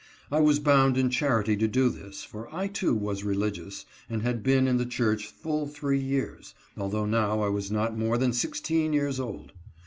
I was bound in charity to do this, for I, too, was religious, and had been in the church full three years, although now I was not more than sixteen years old.